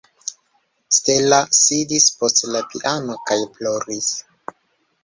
Stella sidis post la piano kaj ploris.